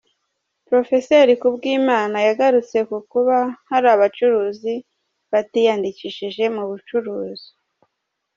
Prof Kubwimana yagarutse ku kuba hari abacuruzi batiyandikishije mu bucuruzi.